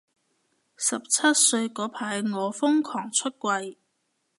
十七歲嗰排我瘋狂出櫃